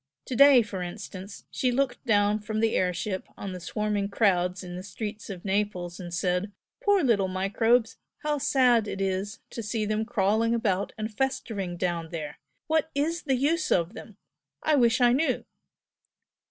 To day, for instance, she looked down from the air ship on the swarming crowds in the streets of Naples and said 'Poor little microbes! How sad it is to see them crawling about and festering down there! What IS the use of them! I wish I knew!'